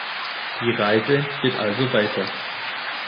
Die Reise geht also weiter.